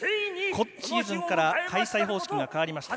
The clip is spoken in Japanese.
今シーズンから開催方式が変わりました。